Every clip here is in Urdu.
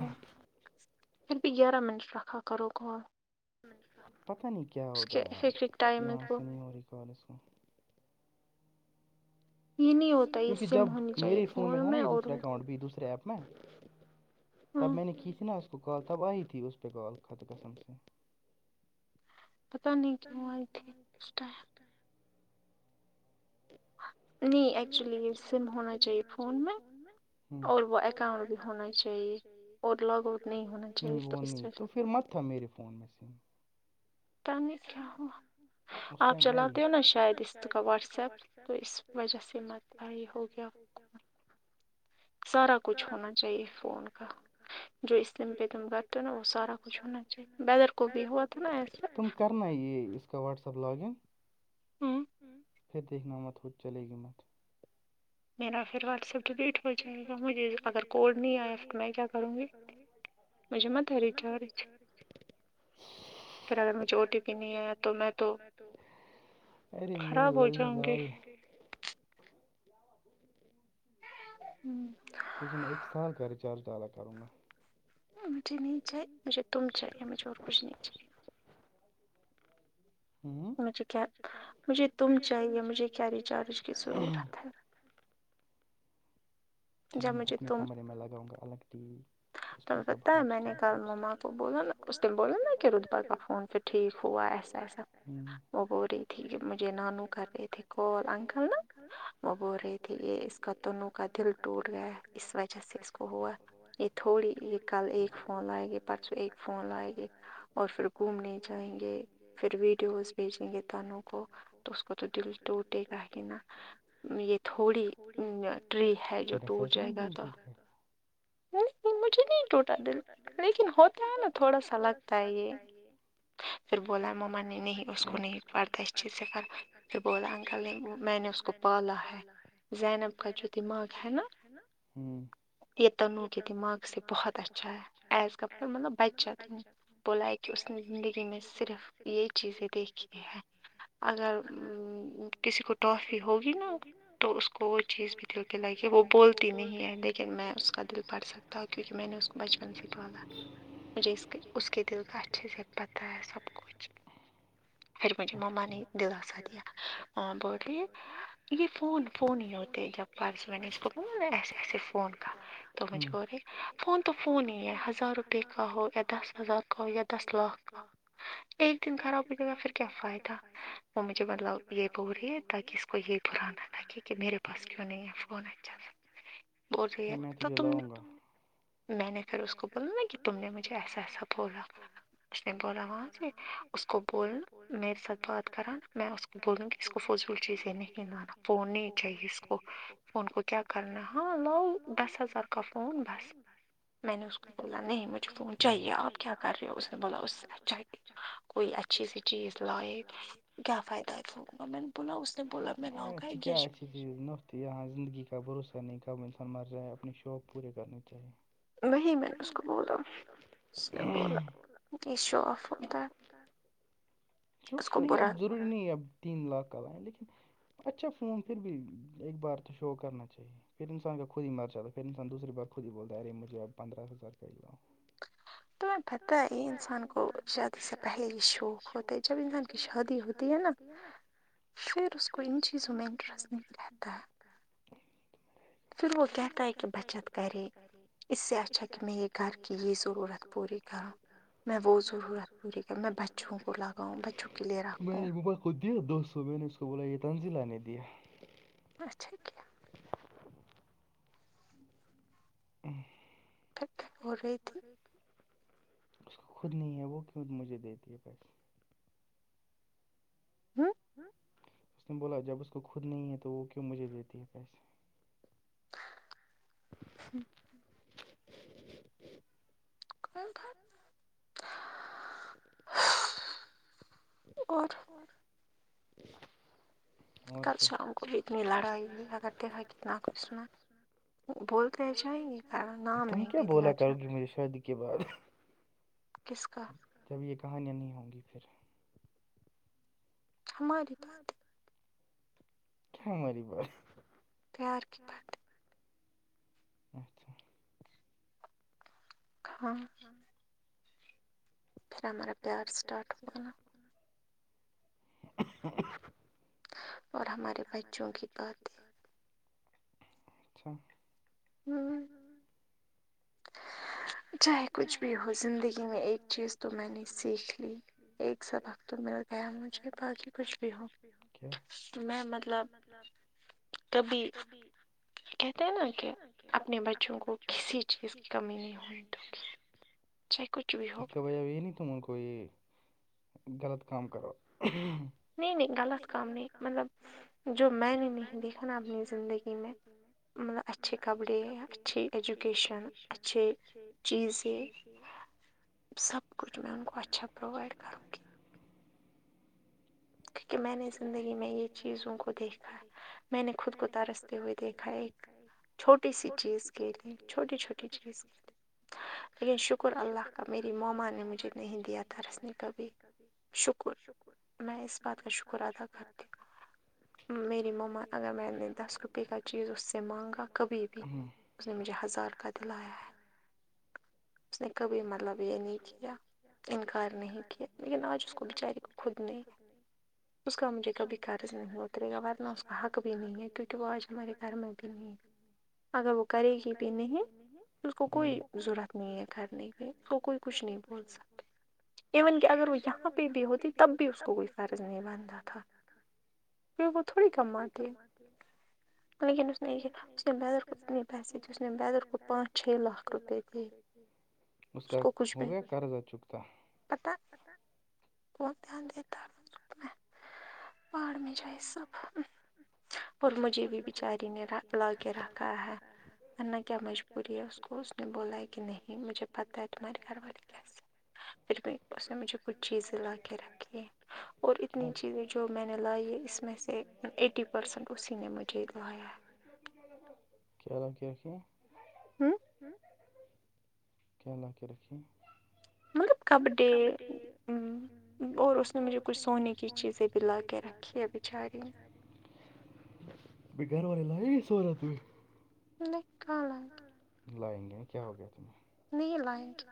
ہ پھر بھی گیارہ منٹ رکھا کرو کال پتا نہیں کیا ہوتا ہے آپ یہاں سے نہیں ہو رہی کال اس کو کیونکہ جب میرے فون میں تھا نا یہ دوسرے اکاؤنٹ بھی دوسرے ایپ تب میں نے کی تھی نا اس کو کال تب آئی تھی اس پہ کال خط قسم سے پتہ نہیں کیوں آئی تھی اس ٹائم ہ [inaudible] نہیں ایکچولی یہ سم ہونا چاہیے فون میں اور وہ اکاؤنٹ بھی ہونا چاہیے اور لاگ آؤٹ نہیں ہونا چاہیے تو اس طرح پتہ نہیں کیا ہوا آپ چلاتے ہو ناں شاید اس کا واٹس ایپ تو اس وجہ سے مت پتہ ہی ہو گیا کو سارا کچھ ہونا چاہیے فون کا جو اس سم پہ کرتے نا وہ سارا کچھ ہونا چاہیے بیدر کو بھی ہوا تھا نا ایسے کرنا ہے یہ اس کا واٹسپ لاگ ان پھر دیکھنا مت ہوت چلے گی مت میرا پھر واٹسپ ڈلیٹ ہو جائے گا مجھے اگر کوڈ نہیں آیا تو میں کیا کروں گی مجھے مت ہے ریچارج پھر اگر مجھے او ٹی پی نہیں آیا تو میں تو ارے میری للو لال ہوں تجھے میں ایک سال کا ریچارج ڈالا کروں گا مجھے نہیں چاہیے مجھے تم چاہیے مجھے اور کچھ نہیں چاہیے مجھے کیا مجھے تم چاہیے مجھے کیا ریچارج کی ضرورت ہے تجھے میں اپنے کمرے میں لگاؤں گا الگ ٹی وی تمیں پتہ ہے میں نے کل مما کو بولا ناں اس نے بولا ناں کہ رتبہ کا فون پھر ٹھیک ہوا ایسا ایسا وہ بول رہی تھی کہ مجھے نانو کر رہے تھے کال انکل ناں وہ بول رہی تھی یہ اس کا تنو کا دل ٹو ٹ گیا اس وجہ سے اس کو ہوا یہ تھوڑی یہ کل ایک فون لائے گی پرسوں ایک فون لائیں گے اور پھر گھومنے جائیں گے پھر ویڈیوز بھیجیں گے تنوں کو تو اس تو دل ٹوٹے گا کہے نا یہ تھوڑی ٹری ہے جو کیس منتیٹیٹ [unintelligible] تم مجھے مجھے نہیں ٹوٹا دل لیکن ہوتا ہے نا تھوڑا سا لگتا ہے یہ پھر بولا مما نے نہیں اس کو نہیں پڑھتا اس چیز سے فرق پھر بولا انکل نے میں نے اس کو پالا ہے زینب کا جو دما جو دماغ ہے ناں ہمم تنو کے دماغ سے بہت اچھا ہے ایز کمپیئر مطلب بچ ت بولا ہے کہ اس نے زندگی میں صرف یہی چیزیں دیکھی ہیں اگر کسی کو ٹافی ہوگی نا تو اس کو وہ چیز بھی دلایی گی کہ وہ بولتی نہیں ہے لیکن میں اس کا دل پڑھ سکتا کیونکہ میں نے اس کو بچپن سےپالا مجھے اس کے اس کے دل کا اچھے سے پتہ ہے سب کچھ پھر مجھے مما نے دلاسہ دیا ما بول رہے یہ فون فون ہی ہوتے جب [unintelligible] پرس ون اس کوورا ناےسے فون کہ تو مجھے بولری فون تو فون ہی ہے ہزار روپئے کا ہو یا دس ہزار کا ہو یا دس لاکھ کا ایک دن خراب ہو جائے گا پھر کیا فائدہ وہ مجھے مطلب یہ بول رہی ہے تاکہ اس کو یہ برانا لگے کہ میرے پاس کیوں نہیں ہے فون اچھا بول رہی ہے پھر جلاوں گا میں نے پھر اس کو بولا نا کہ تم نے مجھے ایسا ایسا بھولا اس نے بولا وہاں سے اس کو بول میرے ساتھ بات کرا میں اس کو بولوں گی اس کو فضول چیزیں نہیں مانا فون نہیں چاہیے اس کو فون کو کیا کرنا لاؤ دس ہزار کا فون بس میں نے اس کو بولا نہیں مجھے فون چاہیے آپ کیا کر رہے ہو اس نے بولا اس سے چاہیے کوئی اچھی سی چیز لائے کیا فائدہ کیا ارے اچھی کیا اچھی جی نفط یہاں زندگی کا بھروسہ نہیں کب انسان مر جائے اپنے شوق پورے کرنے چاہیے وہی میں نے اس کو بولا یہ شو اف ہوتا ہے کیو نہیں اب ضروری نہیں اب تین لاکھ کا لاے لیکن اچھا فون پھر بھی ایک بار تو شو کرنا چاہیے پھر انسان کا کوئی مر جاتا ہے پھر انسان دوسری بار خود ہی بولتا ہے ارے مجھے پندرہ ہزار کا ہی لاؤ تمہیں پتہ ہے یہ انسان کو شادی سے پہلے یہ شوق ہوتے جب انسان کی شادی ہوتی ہوتی ہے نا پھر اس کو ان چیزوں میں انٹرسٹ نہیں رہتا ہے پھر وہ کہتا ہے کہ بچت کرے اس سے اچھا کہ میں یہ گھر کی یہ ضرورت [inaudible] [inaudible] [unintelligible] اچھا کیا [inaudible] اس کو خود نہیں ہے وہ کیوں مجھے دیتی ہے پیسے [unintelligible] اس نے بولا جب اس کو خود نہیں ہے تو وہ کیوں مجھے دیتی ہے پیسے ہ اور اور [inaudible] تم کیا بولا کرو گی میری شادی کے بعد کس کا جب یہ کہانیاں نہیں ہوں گی پھر ہماری بات کیا ہماری بات پیار کی بات اچھا ہاں ہاں ہمارا پیار اسٹارٹ ہوا اور ہمارے بچوں کی باتیں اچھا ہوں چاہے کچھ بھی ہو زندگی میں ایک چیز تو میں نے سیکھ لی ایک سبق تو میرا ا مجھے باقی کچھ بھی ہو میں مطلب کبھی کہتے ہیں نا کہ اپنے بچوں کو کسی چیز کمی نہیں ہونے دونگی اس کے بجائے یہ نہیں کہ تم ان کو یہ غلط کام کرو نہیں نہیں غلط کام نہیں مطلب جو میں نے نہیں دیکھا نا اپنی زندگی میں مطلب اچھے کپڑے اچھی ایجوکیشن اچھی چیزیں سب کچھ میں ان کو اچھا پ پرووائڈ کرونگی کیونکہ میں نے زندگی میں یہ چیزوں کو دیکھا میں نے خود کو ترستے ہوئے دیکھا ایک چھوٹی سی چیز کے لیے چھوٹی چھوٹی چیز کے لیے لیکن شکر اللہ کا میری موما نے مجھے نہیں دیا ترس نے کبھی شکر میں اس بات کا شکر ادا کرتی ہوں میری مما اگر میں نے دس روپئے کا چیز اسے مانگا کبھی بھی اس نے مجھے ہزار کا دلایا ہے اس نے کبھی مطلب یہ نہیں کیا انکار نہیں کیا لیکن آج اس کو بیچاری کو خود نہیں ہے اس کا مجھے کبھی قرض نہیں اترے گا ورنہ اس کا حق بھی نہیں ہے کیونکہ وہ آج ہمارے گھر میں بھی نہیں اگر وہ کرے گی بھی نہیں اس کو کوئی ضرورت نہیں ہے کرنے کی اس کو کوئی اس کو کوئی کچھ نہیں ایون کہ اگر وہ یہاں پہ بھی ہوتی تب بھی اس کو گ اسکول پر نہیں بنتا تھا پھر وہ تھوڑی کم آتی ہے لیکن اس میں یہ اس نے ب بیدر اتنے پیسے دی اس نے میں ب بیدر کو پانچ چھ لاک رپے اس کا ہو گیا کرضہ چکتا بہت دھیان دیتا ہے وقت میں بہڑ میں جائے سب اور مجھے بھی بچاری نے لکھ لا کے رکھا ہے نہ کیا مجبوری ہے اس کو میں نے بولا ہے کہ نہیں مجھے پتہ ہے تمہارے گھر والے کیسے اس نے مجھے کچھ چیزیں لا کے رکھی ہے اور اتنی چیزیں جو میں نے لائی ہے اس میں سے ایٹی پرسینٹ اسی نے مجھے لایا ہے کیا لا کے رکھے ہوں کیا لا کے رکھیں مطلب کبڈی ہ اور اس نے مجھے کچھ سونے کی چیزیں بھی لا کے رکھی ہے بچاری ابھی گھر والے لاائے سونا اپنا نہیں کالا لائیں گے کیا ہو گیا تمہیں نہیں لائیں گے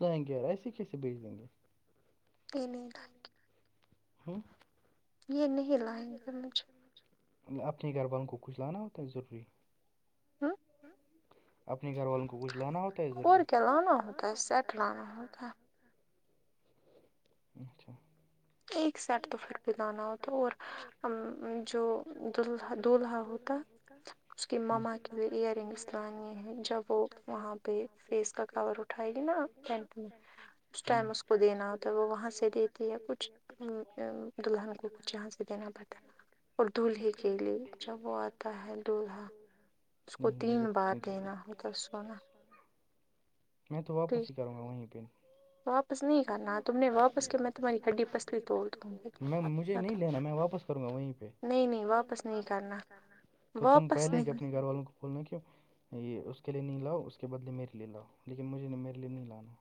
لائیں گے یار ایسے کیسے بھیچ دیں گے پے نہیں تھا ہوں یہ نہیں لائیں گے مجھے اپنے گھر والوں کو کچھ لانا ہوتا ہے ضروری ہاں اپنے گھر والوں کو کچھ لانا ہوتا ہے ضروری اور کیا ہوتا ہے اچھا ایک سیٹ تو پھر بھی لانا ہوتا اور جو دولہا دولہا ہوتا اس کے ماما کے لیئے ایئر رنگس لانیے ہیں جب وہ وہاں پہ فیس کا کور ہوتا اٹھائے گی نا اس ٹائم اس کو دینا ہوتا ہے وہ وہاں سے دیتی ہے کچھ کچھ دولہا کچھ جہاز دین اور دولہے کے لیے جب وہ آتا ہے دولہا نہیں مجھے کچھ نہیں چاہیے میں تو واپس ہی کروں گا ہوں لیکن میں مجھے نہیں لینا میں واپس کروں گا وہیں پہ نہیں نہیں واپس نہیں کرنا تو تم پہلے اپنے گھر والوں کو بولنا کے یہ اس کے لیے نہیں لاؤ اس کے بدلے میرے لیے لاؤ لیکن مجھے میرے لیے نہیں لانا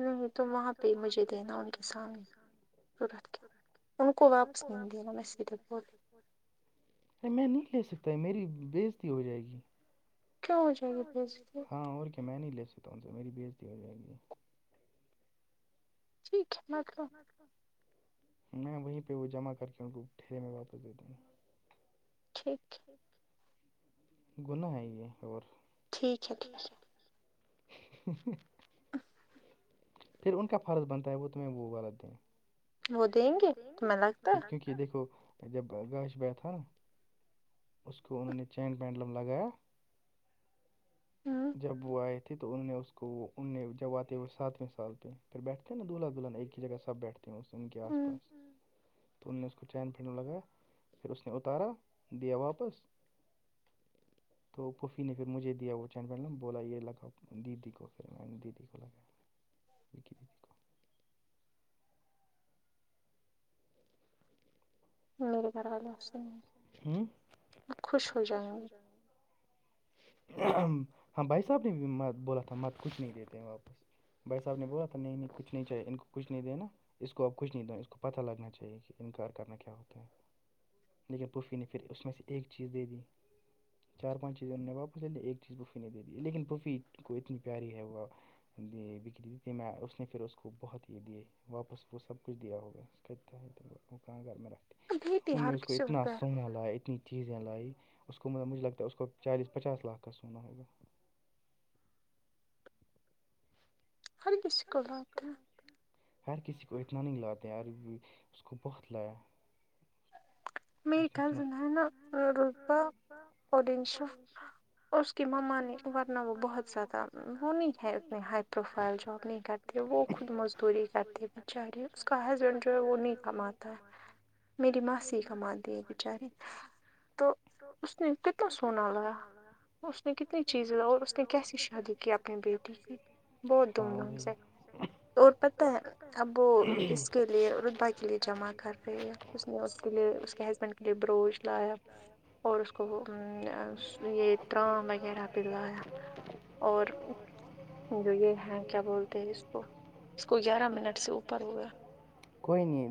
نہیں تو وہاں پہ ہی مجھے دینا ان کے سامنے ضرورت کیا ان کو واپس نہیں دینا میں سیدھے پوری میں نہیں لے سکتا میری بزتی ہو جائے گی ہاں اور کیا میں نہیں لے سکتا ہوں سے میری بےزتی ہو جائے گی جی میں وہیں پہ ہوں جمع کر کے ان کو ٹھیرے میں واپس دیتا ہوں ایک گناہ ہے یہ اور پھر ان کا فرض بنتا ہے وہ تمہیں وہ والا دیں یہ کے کیونکہ دیکھو جب گاش بیاتھا نا اس کو انہوں نے چین پینٹ لم لگایا جب وہ آئے تھے تو انہوں نے اس کو وہ انہیں جب آتے ہوئے ساتویں سال پہ پھر بیٹھتے ہیں نا دولہا دلہن ایک ہی جگہ سب بیٹھتے ہیں ان کے آس پاس تو ان نے اس کو چین پھر میں لگایا پھر اس نے اتارا دیا واپس تو کفی نے پھر مجھے دیا وہ بولا یہ لگا دی دی کو پھر میں نے دی دی کو لگا وک میرے گھر والے سے خوش ہو جائیں گے ہاں بھائی صاحب نے بھی مت بولا تھا مت کچھ نہیں دیتے ہیں واپس بھائی صاحب نے بولا تھا نہیں کچھ نہیں چاہے ان کو کچھ نہیں دینا اس کو آپ کچھ نہیں د اس کو پتہ لگنا چاہیے کہ انکار کرنا کیا ہوتا ہے لیکن پوفی نے پھر اس میں سے ایک چیز دے دی چار پانچ چیزیں ان نے باپ چے ایک چیز بفی نے دے دی لیکن بفی کو اتنی پیاری ہے وہ دی بکری تھی میں اس نے پھر اس کو بہت ہی دیے واپس وہ سب کچھ دیا ہوگا کہتے کہاں گھر میں رکھتے ان نے اس کو اتنا سونا لایا اتنی چیزیں لائی ا اس کو معمولی مجھے لگتا ہے اس کو چالیس پچاس لاکھ کا سونا ہوگا ہر کسی کو اتنا نہیں لاتے اس کو بہت لایا [unintelligible] اس کی مومانی ورنہ وہ بہت زیادہ وہ نہیں ہے انے ہائی پروفائل جاب نہیں کرتے وہ خود مزدوری کرتے بچاری اس کا ہسبینڈ جو ہے وہ نہیں کماتا میری ماسی کاماتی ہے بیچاری تو اس نے کتنا سونا لایا اس نے کتنی چیزیں اور اس نے کیسی شادی کی اپنی بیٹی کی بہت دھوم دھام سے اور پتہ ہے اب اس کے لیے رتبہ کے لیے جمع کر رہی ہے اس نے اس کے لیے اس کے ہسبینڈ کے لیے بروچ لایا اور اس اوم آ کو یہ ترام وغیرہ پہ لایا اور جو یہ ہے کیا بولتے ہیں اس کو اس کو گیارہ منٹ سے اوپر ہوگیا کوئی نہیں